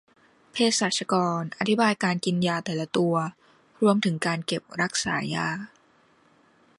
เภสัชกรอธิบายการกินยาแต่ละตัว รวมถึงการเก็บรักษายา